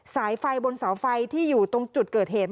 สายไฟบนเสาไฟที่อยู่ตรงจุดเกิดเหตุ